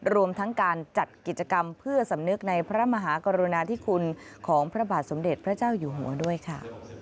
รวมทั้งการจัดกิจกรรมเพื่อสำนึกในพระมหากรุณาธิคุณของพระบาทสมเด็จพระเจ้าอยู่หัวด้วยค่ะ